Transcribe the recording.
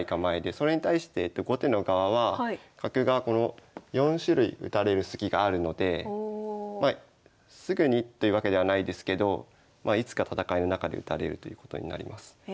それに対して後手の側は角がこの４種類打たれるスキがあるのですぐにというわけではないですけどいつか戦いの中で打たれるということになります。